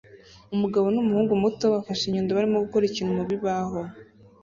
Umugabo n'umuhungu muto bafashe inyundo barimo gukora ikintu mubibaho